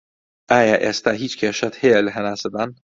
ئایا ئێستا هیچ کێشەت هەیە لە هەناسەدان